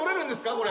これ。